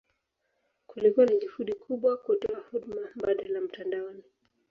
Kulikuwa na juhudi kubwa kutoa huduma mbadala mtandaoni.